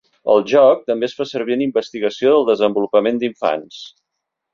El joc també es fa servir en investigació del desenvolupament d'infants.